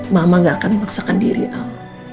mama gak akan memaksakan diri al